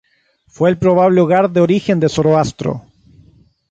Fue el probable hogar de origen de Zoroastro.